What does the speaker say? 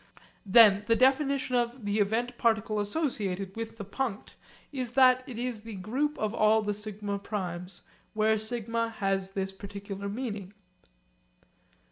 Then the definition of the event particle associated with the punct is that it is the group of all the σ primes, where σ has this particular meaning.